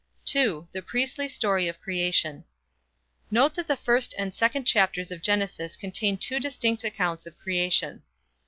II. THE PRIESTLY STORY OF CREATION. Note that the first and second chapters of Genesis contain two distinct accounts of creation.